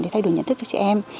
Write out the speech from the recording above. để thay đổi nhận thức cho chị em